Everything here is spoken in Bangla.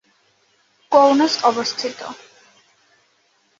কনৌজ অবস্থিত।